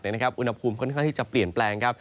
อุณหภูมิค่อนข้างที่จะเปลี่ยนแปลงครับ